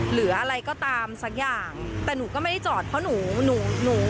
หรืออะไรก็ตามสักอย่างแต่หนูก็ไม่ได้จอดเพราะหนูหนู